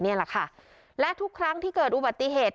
นี่แหละค่ะและทุกครั้งที่เกิดอุบัติเหตุ